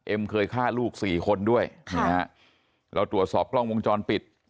เคยฆ่าลูกสี่คนด้วยเราตรวจสอบกล้องวงจรปิด